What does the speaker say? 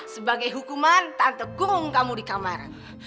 sebagai hukuman tante kong kamu di kamar